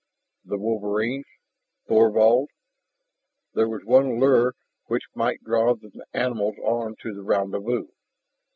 The wolverines? Thorvald? There was one lure which might draw the animals on to the rendezvous.